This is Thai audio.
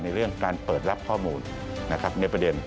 ในเรื่องการเปิดรับข้อมูลในประเด็น